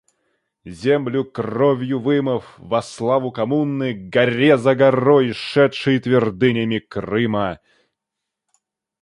Землю кровью вымыв, во славу коммуны, к горе за горой шедший твердынями Крыма.